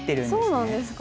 そうなんですか。